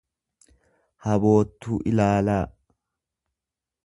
haboottuu ilaalaa.